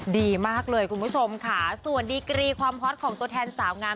ดีมากเลยคุณผู้ชมค่ะส่วนดีกรีความฮอตของตัวแทนสาวงาม